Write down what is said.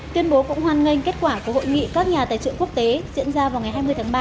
tuyên bố cũng hoan nghênh kết quả của hội nghị các nhà tài trợ quốc tế diễn ra vào ngày hai mươi tháng ba